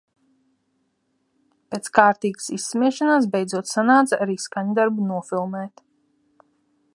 Pēc kārtīgas izsmiešanās, beidzot sanāca arī skaņdarbu nofilmēt.